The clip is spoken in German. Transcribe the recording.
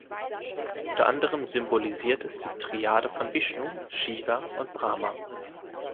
Unter anderem symbolisiert es die Triade von Vishnu, Shiva und Brahma.